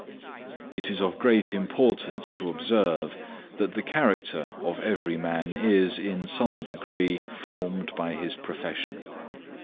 It is of great importance to observe, that the character of every man is, in some degree, formed by his profession.